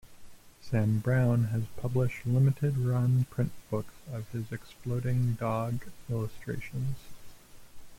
Sam Brown has published limited-run print books of his explodingdog illustrations.